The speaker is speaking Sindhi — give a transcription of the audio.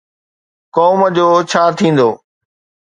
قوم جو ڇا ٿيندو؟